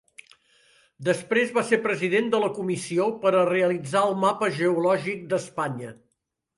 Després va ser president de la Comissió per a realitzar el mapa geològic d'Espanya.